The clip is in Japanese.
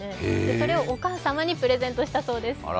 それをお母様にプレゼントしたそうです。